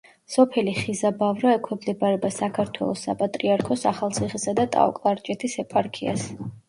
სოფელი ხიზაბავრა ექვემდებარება საქართველოს საპატრიარქოს ახალციხისა და ტაო-კლარჯეთის ეპარქიას.